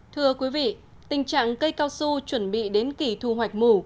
thưa quý vị tình trạng cây cao su chuẩn bị đến kỳ thu hoạch mù